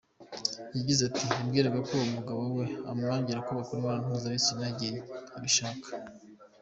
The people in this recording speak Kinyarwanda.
Yagize ati “Yambwiraga ko umugabo we amwangira ko bakora imibonano mpuzabitsina igihe abishaka.